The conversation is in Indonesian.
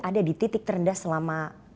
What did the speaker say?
ada di titik terendah selama